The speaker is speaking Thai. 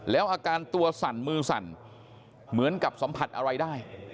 แล้วอาการตัวสั่นมือสั่นเหมือนกับสัมผัสอะไรได้